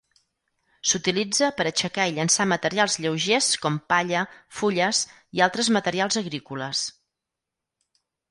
S'utilitza per aixecar i llençar materials lleugers com palla, fulles i altres materials agrícoles.